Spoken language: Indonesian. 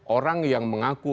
orang yang mengaku